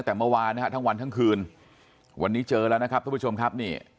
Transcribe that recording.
แต่เมื่อวานนะฮะทั้งวันทั้งคืนวันนี้เจอแล้วนะครับทุกผู้ชมครับนี่